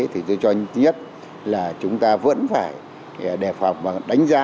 thì tôi cho nhất là chúng ta vẫn phải đề phạm và đánh giá